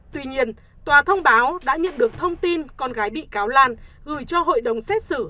tuy nhiên tòa thông báo đã nhận được thông tin con gái bị cáo lan gửi cho hội đồng xét xử